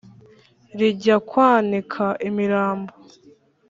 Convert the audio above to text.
rijya kwanika imirambo;